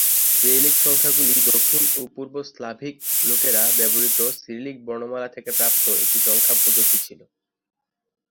Cyrillic সংখ্যাগুলি দক্ষিণ ও পূর্ব স্লাভিক লোকেরা ব্যবহৃত সিরিলিক বর্ণমালা থেকে প্রাপ্ত একটি সংখ্যক পদ্ধতি ছিল।